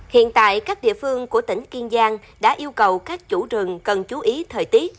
hiện tại các địa phương của tỉnh kiên giang đã yêu cầu các chủ rừng cần chú ý thời tiết